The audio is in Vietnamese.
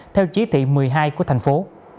theo chí thị một mươi hai của thành phố